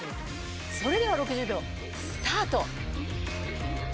それでは６０秒スタート！